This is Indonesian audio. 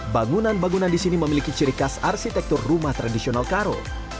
bangunan bangunan di sini memiliki ciri khas arsitektur rumah tradisional karo